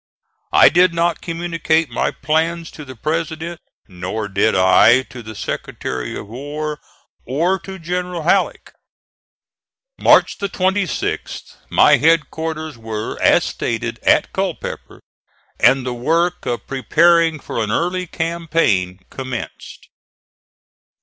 I did not communicate my plans to the President, nor did I to the Secretary of War or to General Halleck. March the 26th my headquarters were, as stated, at Culpeper, and the work of preparing for an early campaign commenced.